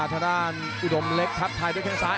ทางด้านอุดมเล็กทักทายด้วยแข้งซ้าย